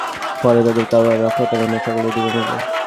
ফলে তাদের কেউই আর রক্ষা পেল না, সকলেই ডুবে মরল।